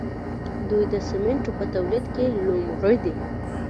دوی د سیمنټو په تولید کې لومړی دي.